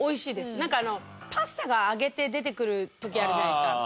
なんかあのパスタが揚げて出てくる時あるじゃないですか。